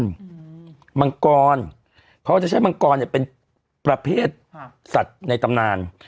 เขาก็จะใช้มังกรเป็นประเทศสัตว์ในตำนาน